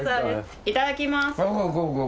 いただきます。